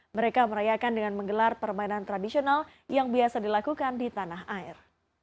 mereka merayakan dengan menggelar permainan tradisional yang biasa dilakukan di tanah air